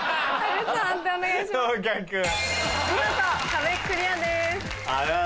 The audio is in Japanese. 見事壁クリアです。